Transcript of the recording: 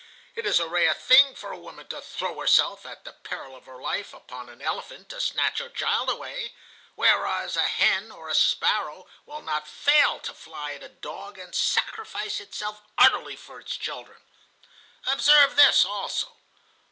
It is a rare thing for a woman to throw herself, at the peril of her life, upon an elephant to snatch her child away, whereas a hen or a sparrow will not fail to fly at a dog and sacrifice itself utterly for its children. Observe this, also.